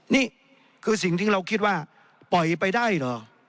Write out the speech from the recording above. นี่คือสิ่งที่เราคิดว่าปล่อยไปได้เหรอ